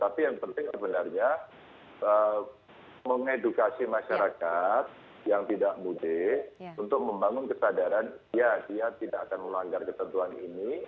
tapi yang penting sebenarnya mengedukasi masyarakat yang tidak mudik untuk membangun kesadaran ya dia tidak akan melanggar ketentuan ini